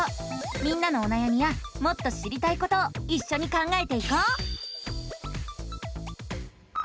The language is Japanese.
みんなのおなやみやもっと知りたいことをいっしょに考えていこう！